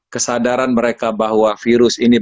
kesadaran mereka bahwa virus ini